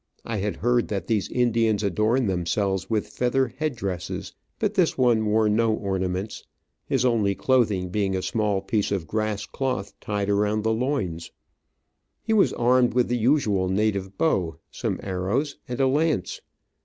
I had heard that these Indians adorn themselves with feather head dresses, but this one wore no ornaments, his only clothing being a small piece of grass cloth tied around the loins. He was armed with the usual native bow, some arrows, and a lance.